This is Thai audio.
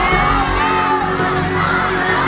ร้องได้ร้องได้